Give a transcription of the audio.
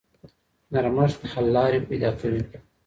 نرمښت حل لارې پیدا کوي.